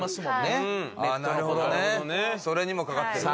それにも掛かってる。